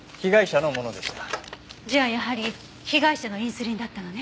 じゃあやはり被害者のインスリンだったのね。